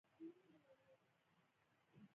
چې د پیغمبر د هجرت په وخت کې.